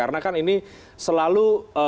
karena kan ini selalu